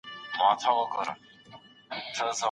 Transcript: بله نکاح کول هيڅکله د کورنۍ ستونزي نه حلوي.